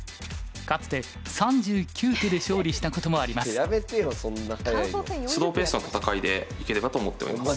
かつて３９手で勝利したこともあります。